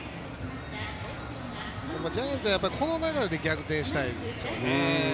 ジャイアンツはやっぱりこの流れで逆転したいですよね。